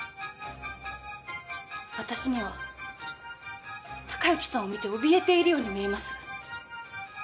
私には孝之さんを見ておびえているように見えます。